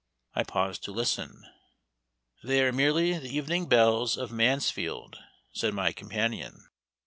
I paused to listen. "They are merely the evening bells of Mansfield," said my companion.